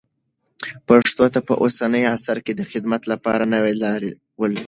پښتو ته په اوسني عصر کې د خدمت لپاره نوې لارې ولټوئ.